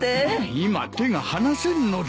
今手が離せんのだ。